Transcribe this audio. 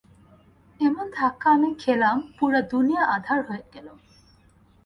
এমন ধাক্কা আমি খেলাম, পুরো দুনিয়া আঁধার হয়ে এলো।